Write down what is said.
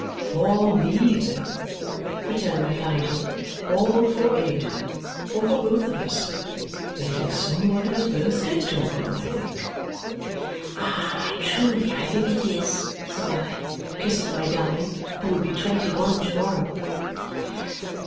"For me then," returned my guardian, "or for Ada, or for both of us. It is somebody's birthday to morrow, I think." "Truly I think it is," said I, kissing my darling, who would be twenty one to morrow.